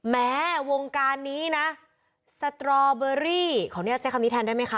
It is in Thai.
แม้วงการนี้นะสตรอเบอรี่ขออนุญาตใช้คำนี้แทนได้ไหมคะ